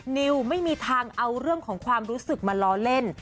นิวไม่มีทางเอาเรื่องของความรู้สึกมาล้อเล่น